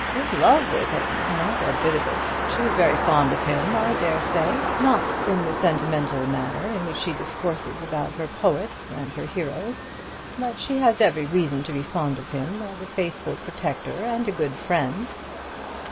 "In love with him! not a bit of it. She was very fond of him, I dare say not in the sentimental manner in which she discourses about her poets and her heroes; but she has every reason to be fond of him as a faithful protector and a good friend."